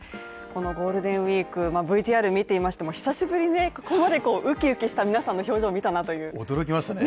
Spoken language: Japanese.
このゴールデンウィークＶＴＲ見ていましたが久しぶりにここまでウキウキした皆さんの表情を見たなという驚きましたね